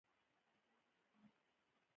په تاسو کې هغه څوک غوره دی.